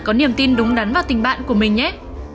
có niềm tin đúng đắn vào tình bạn của mình nhé